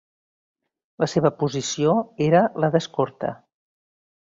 La seva posició era la d'escorta.